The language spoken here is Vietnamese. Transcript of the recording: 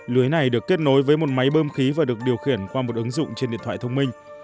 lưới này được kết nối với một máy bơm khí và được điều khiển qua một ứng dụng trên điện thoại thông minh